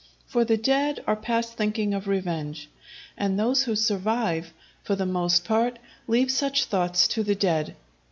For the dead are past thinking of revenge; and those who survive, for the most part leave such thoughts to the dead.